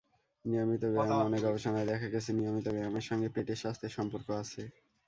নিয়মিত ব্যায়ামঅনেক গবেষণায় দেখা গেছে, নিয়মিত ব্যায়ামের সঙ্গে পেটের স্বাস্থ্যের সম্পর্ক আছে।